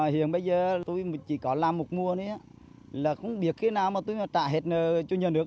hiện bây giờ tôi chỉ có làm một mùa không biết khi nào tôi trả hết nợ cho nhân được